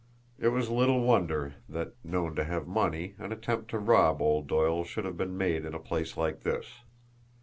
It was little wonder that, known to have money, an attempt to rob old Doyle should have been made in a place like this!